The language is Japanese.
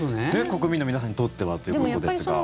国民の皆さんにとってはということですが。